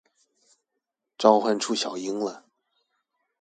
招喚出小櫻了